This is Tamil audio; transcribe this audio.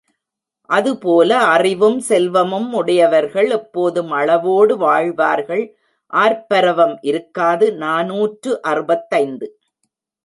அதுபோல அறிவும் செல்வமும் உடையவர்கள் எப்போதும் அளவோடு வாழ்வார்கள் ஆர்ப்பரவம் இருக்காது! நாநூற்று அறுபத்தைந்து.